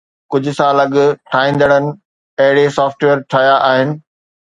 ڪجهه سال اڳ، ٺاهيندڙن اهڙي سافٽ ويئر ٺاهيا آهن